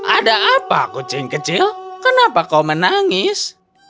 ada apa kucing kecil kenapa kau menangis